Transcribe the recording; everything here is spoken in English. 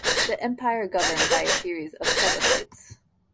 The Empire governed by a series of plebiscites.